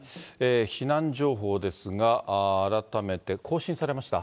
避難情報ですが、改めて、更新されました？